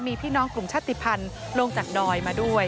มีพี่น้องกลุ่มชาติภัณฑ์ลงจากดอยมาด้วย